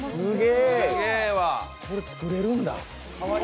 これ、作れるんだ。